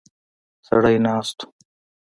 سړی ناست و.